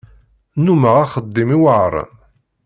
Nnumeɣ axeddim iweɛren.